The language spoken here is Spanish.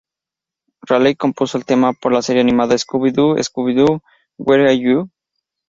Raleigh compuso el tema para la serie animada Scooby-Doo, "Scooby-Doo, Where Are You".